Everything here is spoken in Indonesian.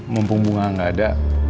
mempun bunga gak ada